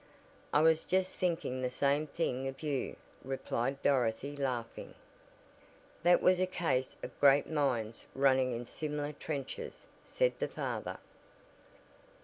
"I was just thinking the same thing of you," replied Dorothy, laughing. "That was a case of great minds running in similar trenches," said the father.